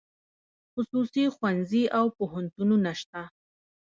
خصوصي ښوونځي او پوهنتونونه شته